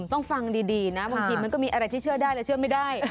ฟังดีนะบางทีมันก็มีอะไรที่เชื่อได้และเชื่อไม่ได้